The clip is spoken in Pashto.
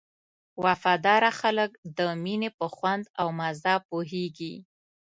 وفاداره خلک د مینې په خوند او مزه پوهېږي.